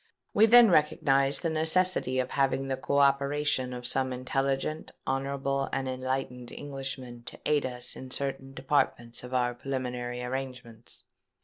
We then recognised the necessity of having the co operation of some intelligent, honourable, and enlightened Englishman to aid us in certain departments of our preliminary arrangements.